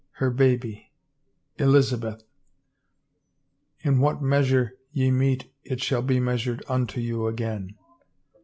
Her baby, Elizabeth! In what measure ye mete it shall be measured unto you again.